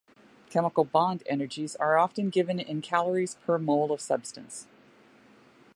Chemical bond energies are often given in calories per mole of substance.